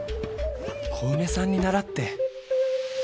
小梅さんに倣って。